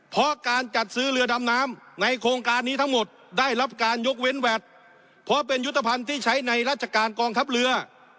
เพราะการจัดซื้อเรือดำน้ำในโครงการนี้ทั้งหมดได้รับการยกเว้นแวดเพราะเป็นยุทธภัณฑ์ที่ใช้ในราชการกองทัพเรือ